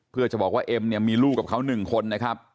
เพื่อจะบอกว่าเอ็มเนี่ยมีลูกกับเขา๑คนนะครับ